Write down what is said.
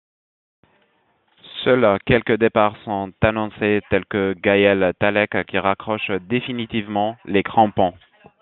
Seuls quelques départ sont annoncés tel que Gaël Tallec qui raccroche définitivement les crampons.